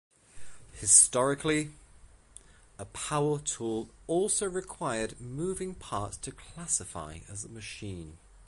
Historically, a power tool also required moving parts to classify as a machine.